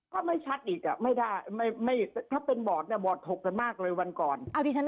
ก็ไม่ชัดอีกอ่ะไม่ได้ถ้าเป็นบอร์ดเนี่ยบอดถกกันมากเลยวันก่อน